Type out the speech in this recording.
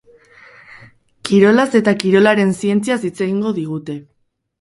Kirolaz eta kirolaren zientziaz hitz egingo digute.